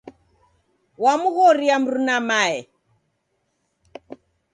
Wamghorie mruna mae.